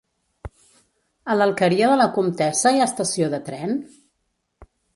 A l'Alqueria de la Comtessa hi ha estació de tren?